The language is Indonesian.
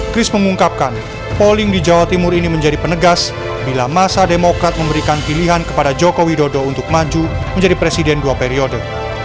chris mengungkapkan polling di jawa timur ini menjadi penegas bila masa demokrat memberikan pilihan kepada joko widodo untuk maju menjadi presiden dua periode